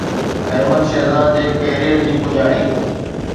احمد شهزاد جي ڪيريئر جي پڄاڻي